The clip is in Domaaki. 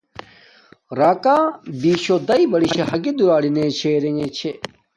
راکا بیشو داݵ برشاہ ہاگی دوبارا دولارینے چھے